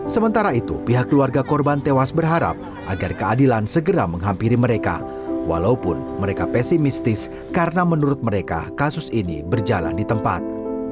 sementara itu pihak keluarga korban tewas berharap agar keadilan segera menghampiri mereka walaupun mereka pesimistis karena menurut mereka kasus ini berjalan di tempat